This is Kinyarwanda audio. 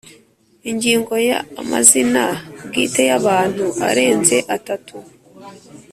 Ingingo ya Amazina bwite y abantu arenze atatu